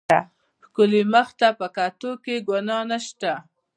ښکلي مخ ته په کتو کښې ګناه نشته.